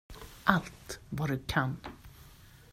Allt vad du kan.